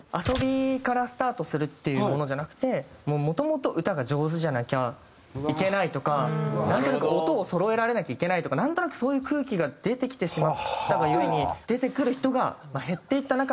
遊びからスタートするっていうものじゃなくてもともと歌が上手じゃなきゃいけないとかなんとなく音をそろえられなきゃいけないとかなんとなくそういう空気が出てきてしまったが故に出てくる人が減っていった